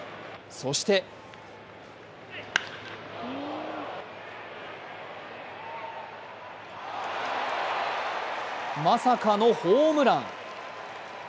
そしてまさかのホームラン。